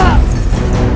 aku akan menangkapmu